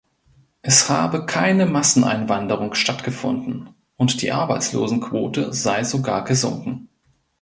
Es habe keine Masseneinwanderung stattgefunden und die Arbeitslosenquote sei sogar gesunken.